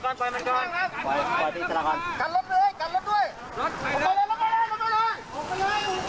ออกไปเลยผมไปเลย